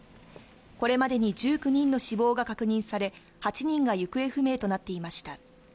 これまでに１９人の死亡が確認され８人が行方不明となっていました。